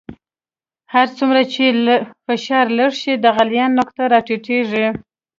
هر څومره چې فشار لږ شي د غلیان نقطه را ټیټیږي.